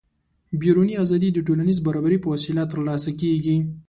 بیروني ازادي د ټولنیز برابري په وسیله ترلاسه کېده.